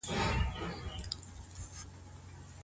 که د وليمې په ځای کي شراب او موسيقي وي څه وکړئ؟